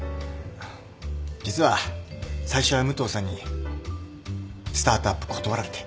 実は最初は武藤さんにスタートアップ断られて。